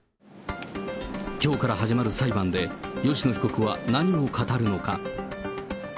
きょうから始まる裁判で、吉野被告は何を語るのか。